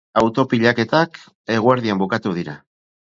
Auto-pilaketak eguerdian bukatu dira.